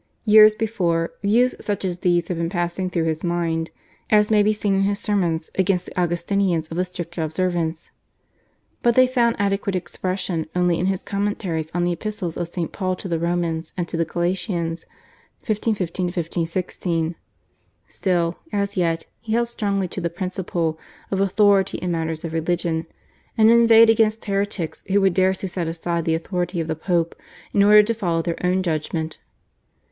Years before, views such as these had been passing through his mind, as may be seen in his sermons against the Augustinians of the strict observance, but they found adequate expression only in his commentaries on the Epistles of St. Paul to the Romans and to the Galatians (1515 6). Still, as yet, he held strongly to the principle of authority in matters of religion, and inveighed against heretics who would dare to set aside the authority of the Pope in order to follow their own judgment.